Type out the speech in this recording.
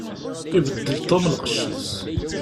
Ibeddel Tom lqecc-is.